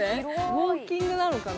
ウオーキングなのかな。